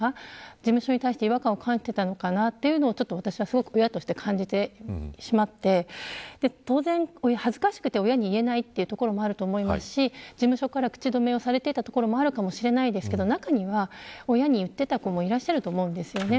事務所に対して違和感を感じていたのか親としてすごく感じてしまって当然恥ずかしくて親に言えないところもあると思いますし、事務所から口止めをされていたところもあるかもしれないですが中には親に言っていた子もいらっしゃると思うんです。